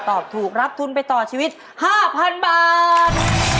ตอบถูกรับทุนไปต่อชีวิต๕๐๐๐บาท